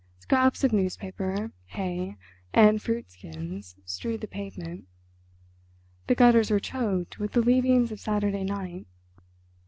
Scraps of newspaper, hay, and fruit skins strewed the pavement; the gutters were choked with the leavings of Saturday night.